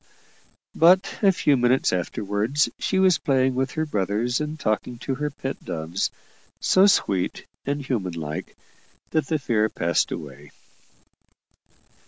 But a few minutes afterwards she was playing with her brothers and talking to her pet doves, so sweet and humanlike, that the fear passed away.